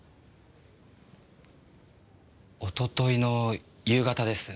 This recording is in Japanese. おとといの夕方です。